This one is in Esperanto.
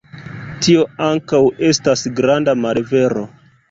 Tio ankaŭ estas granda malvero.